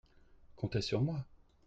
Comptez sur moi…